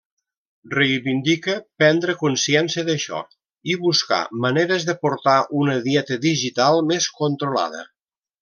Reivindica prendre consciència d'això i buscar maneres de portar una dieta digital més controlada.